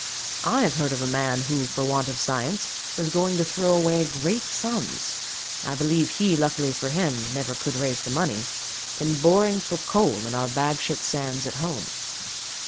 I have heard of a man who, for want of science, was going to throw away great sums (I believe he, luckily for him, never could raise the money) in boring for coal in our Bagshot sands at home.